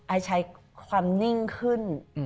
ไอใช้ความนิ่งขึ้น